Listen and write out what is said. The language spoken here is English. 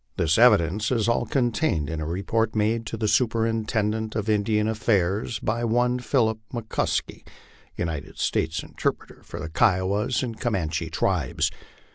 This evidence is all contained in a report made to the Superintendent of Indian Affairs, by one Philip McCuskey, United States interpreter for the Kiowa and Comanche tribes.